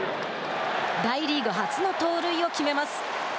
大リーグ初の盗塁を決めます。